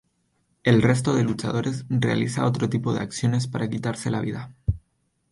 El resto de luchadores realiza otro tipo de acciones para quitarse la vida.